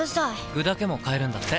具だけも買えるんだって。